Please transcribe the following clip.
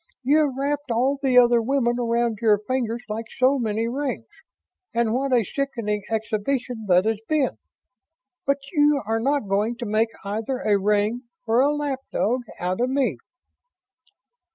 You have wrapped all the other women around your fingers like so many rings and what a sickening exhibition that has been! but you are not going to make either a ring or a lap dog out of me."